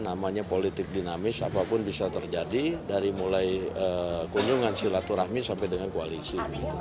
namanya politik dinamis apapun bisa terjadi dari mulai kunjungan silaturahmi sampai dengan koalisi